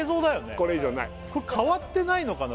変わってないのかな